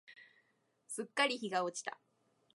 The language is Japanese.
すっかり日が落ちた。